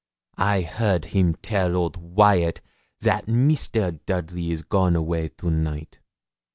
I heard him tell old Wyat that Mr. Dudley is gone away to night.